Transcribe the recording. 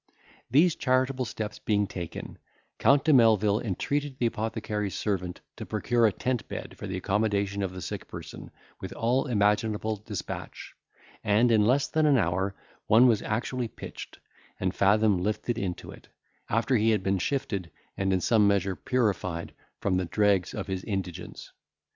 These charitable steps being taken, Count de Melvil entreated the apothecary's servant to procure a tent bed for the accommodation of the sick person with all imaginable despatch; and, in less than an hour, one was actually pitched, and Fathom lifted into it, after he had been shifted, and in some measure purified from the dregs of his indigence.